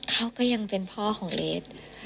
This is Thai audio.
เขาก็ยังเป็นพ่อของเอส